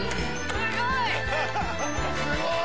すごい！